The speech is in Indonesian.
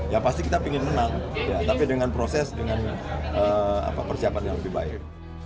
ya pasti kita ingin menang tapi dengan proses dengan persiapan yang lebih baik